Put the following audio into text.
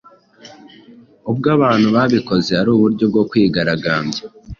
ubwo abantu babikoze ari uburyo bwo kwigaragambya.